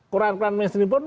kurang kurang mainstream pun